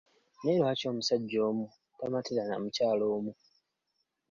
Naye lwaki omusajja omu tamatira na mukyala omu?